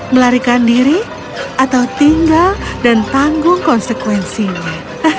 melarikan diri atau tinggal dan tanggung konsekuensinya